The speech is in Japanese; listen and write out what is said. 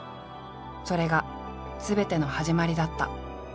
それがすべての始まりだった。